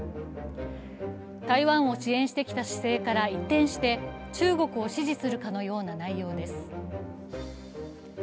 台湾を支援してきた姿勢から一転して、中国を支持するかのような内容です。